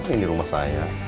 ini rumah saya